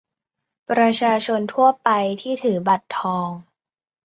ประชาชนทั่วไปที่ถือบัตรทอง